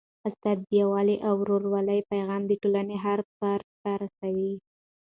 استاد د یووالي او ورورولۍ پیغام د ټولني هر فرد ته رسوي.